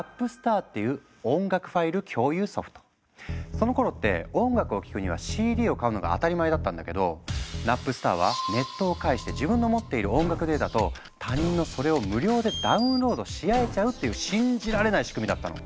そのころって音楽を聴くにはＣＤを買うのが当たり前だったんだけどナップスターはネットを介して自分の持っている音楽データと他人のそれを無料でダウンロードし合えちゃうっていう信じられない仕組みだったの！